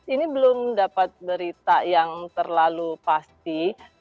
ini belum dapat berita yang terlalu pasti